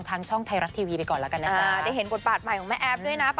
ค่ะตอนนี้ก็ยังอ่านบทอยู่